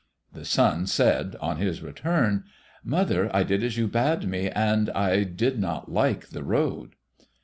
The sun said, on his return, "Mother, I did as you bade me, and I did not like the road."